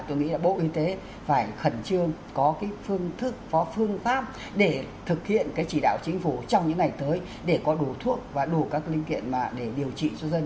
tôi nghĩ là bộ y tế phải khẩn trương có phương pháp để thực hiện chỉ đạo chính phủ trong những ngày tới để có đủ thuốc và đủ các linh kiện để điều trị cho dân